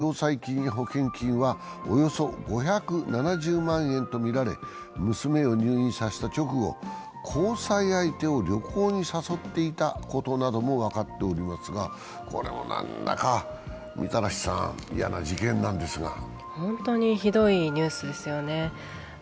これまでに縄田容疑者が不正に受給した共済金や保険金は、およそ５７０万円とみられ娘を入院させた直後、交際相手を旅行に誘っていたことなども分かっていますがこれも何だか、嫌な事件なんですが本当にひどいニュースですよね。